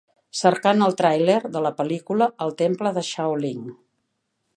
Cercant el tràiler de la pel·lícula "El Temple Shaolin"